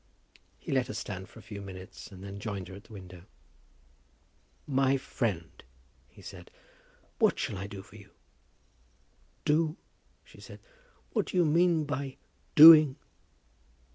He let her stand for a few minutes and then joined her at the window. "My friend," he said, "what shall I do for you?" "Do?" she said. "What do you mean by doing?"